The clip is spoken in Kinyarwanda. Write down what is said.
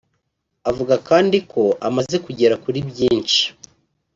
Avuga kandi ko amaze kugera kuri byinshi